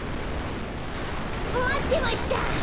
まってました！